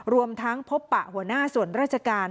รวมทั้งพบปะหัวหน้าส่วนราชการ